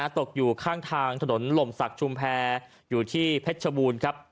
ตกอยู่ข้างทางถนนหล่มศักดิ์ชุมแพรอยู่ที่เพชรชบูรณ์ครับ